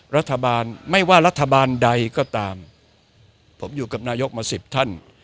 รัฐบาลไม่ว่ารัฐบาลใดก็ตามผมอยู่กับนายกมาสิบท่าน